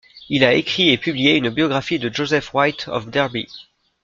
Il a écrit et publié une biographie de Joseph Wright of Derby.